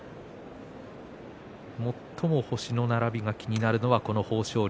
最も星の並びが気になるのはこの豊昇龍。